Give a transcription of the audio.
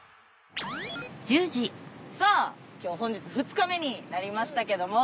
さあ今日本日２日目になりましたけども。